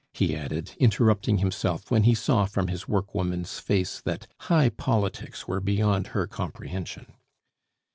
he added, interrupting himself when he saw from his work woman's face that high politics were beyond her comprehension.